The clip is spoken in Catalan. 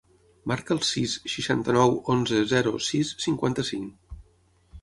Marca el sis, seixanta-nou, onze, zero, sis, cinquanta-cinc.